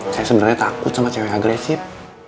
saya sebenarnya takut sama cewek agresif